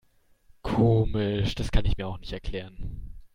Komisch, das kann ich mir auch nicht erklären.